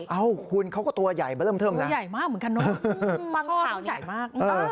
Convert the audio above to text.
เอ้าคุณเขาก็ตัวใหญ่มาเริ่มเทิมแล้วใหญ่มากเหมือนกันเนอะมังขาวใหญ่มาก